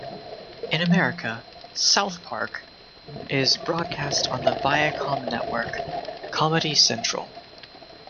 In America, "South Park" is broadcast on the Viacom network Comedy Central.